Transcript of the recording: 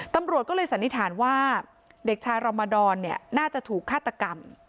ตำรวจก็เลยสันนิษฐานว่าเด็กชายรอมดรน่าจะถูกฆาตกรรม